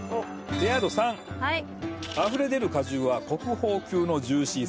あふれ出る果汁は国宝級のジューシーさ。